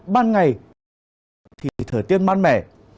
ban ngày thì thời tiết mát mẻ